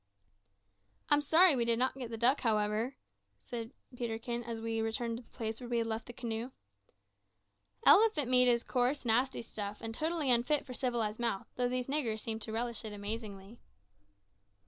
"I'm sorry we did not get the duck, however," observed Peterkin, as we returned to the place where we had left the canoe. "Elephant meat is coarse, nasty stuff, and totally unfit for civilised mouths, though these niggers seem to relish it amazingly."